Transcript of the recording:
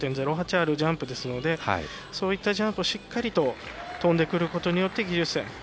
あるジャンプですのでそういったジャンプをしっかりと跳んでくることによって技術点が。